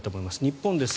日本です。